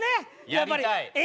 やりたい。